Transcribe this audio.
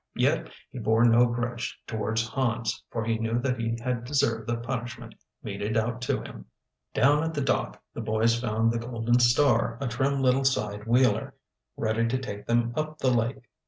Yet he bore no grudge towards Hans, for he knew that he had deserved the punishment meted out to him. Down at the dock the boys found the Golden Star, a trim little side wheeler, ready to take them up the lake.